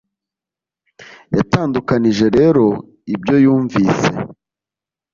yatandukanije rero ibyo yumvise